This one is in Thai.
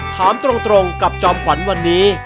ถามตรงกับจอมขวัญวันนี้